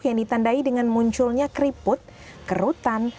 yang ditandai dengan munculnya keriput kerutan